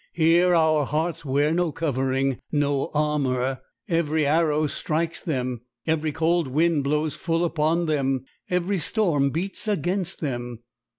Here our hearts wear no covering, no armor. Every arrow strikes them; every cold wind blows full upon them; every storm beats against them.